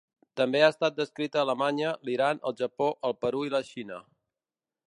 També ha estat descrita a Alemanya, l'Iran, el Japó, el Perú i la Xina.